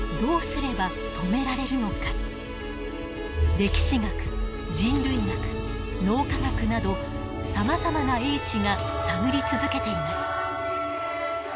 歴史学人類学脳科学などさまざまな英知が探り続けています。